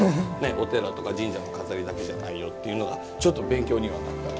お寺とか神社の錺だけじゃないよっていうのがちょっと勉強にはなったので。